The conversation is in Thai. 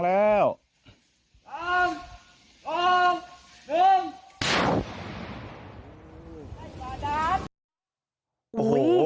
เรียบร้อยที่กำบังแล้ว